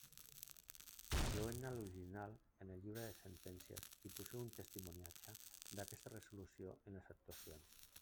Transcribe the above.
Incloeu-ne l'original en el llibre de sentències i poseu un testimoniatge d'aquesta resolució en les actuacions.